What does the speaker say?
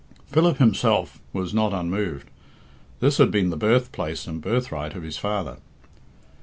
Philip himself was not unmoved. This had been the birthplace and birthright of his father.